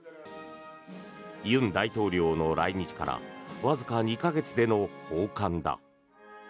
尹大統領の来日からわずか２か月での訪韓だ。